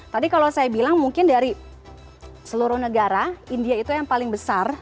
tadi kalau saya bilang mungkin dari seluruh negara india itu yang paling besar